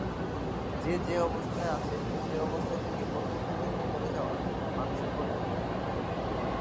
যে যে অবস্থায় আছে, সে অবস্থায় থেকে কর্তব্যকর্ম করে যাওয়া মানুষের কর্তব্য।